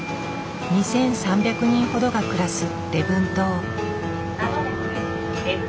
２，３００人ほどが暮らす礼文島。